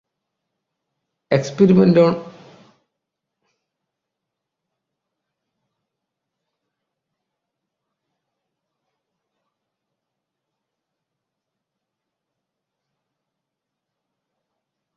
Experiments on parrots have also been reported with similar results.